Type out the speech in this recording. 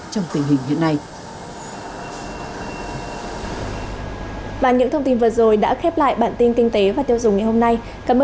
trong tình hình hiện nay